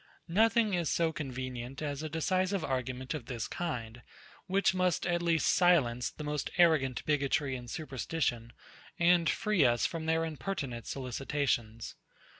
Nothing is so convenient as a decisive argument of this kind, which must at least silence the most arrogant bigotry and superstition, and free us from their impertinent solicitations.